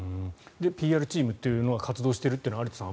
ＰＲチームというのが活動しているというのは。